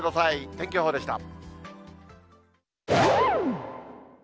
天気予報でした。